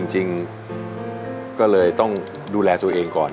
จริงก็เลยต้องดูแลตัวเองก่อน